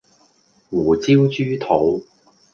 胡椒豬肚